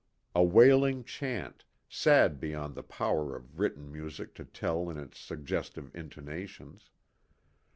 A wailing chant, sad beyond the power of written music to tell in its suggestive intonations.